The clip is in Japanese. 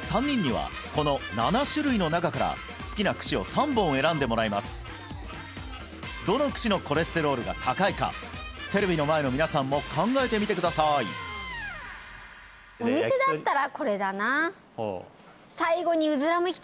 ３人にはこの７種類の中から好きな串を３本選んでもらいますどの串のコレステロールが高いかテレビの前の皆さんも考えてみてくださいお店だったらこれだな４本はダメです